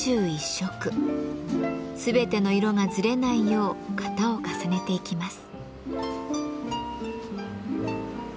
全ての色がずれないよう型を重ねていきます。